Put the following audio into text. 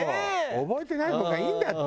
「覚えてない方がいいんだって」。